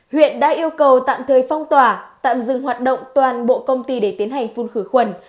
huyện đã yêu cầu tạm thời phong tỏa tạm dừng hoạt động toàn bộ công ty để tiến hành phun khử khuẩn